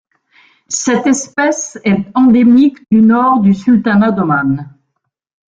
Cette espèce est endémique du Nord du sultanat d'Oman.